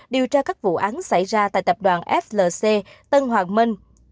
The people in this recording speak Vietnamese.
điều tra các vụ án xảy ra tại tập đoàn flc tân hoàng minh